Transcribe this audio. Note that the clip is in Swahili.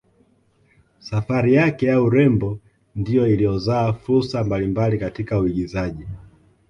Safari yake ya urembo ndiyo iliyozaa fursa mbali mbali katika uigizaji